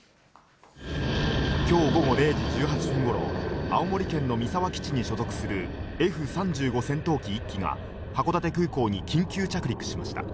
きょう午後０時１８分ごろ、青森県の三沢基地に所属するＦ３５戦闘機１機が函館空港に緊急着陸しました。